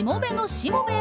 しもべえ！